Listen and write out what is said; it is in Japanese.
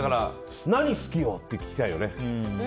何好きよ？って聞きたいよね。